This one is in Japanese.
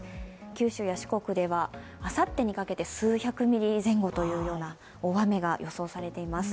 九州や四国ではあさってにかけて数百ミリ前後というような大雨が予想されています。